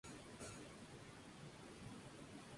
Ello se estimó en tres millones de pesos.